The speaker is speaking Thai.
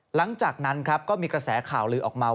หลังจากนั้นครับก็มีกระแสข่าวลือออกมา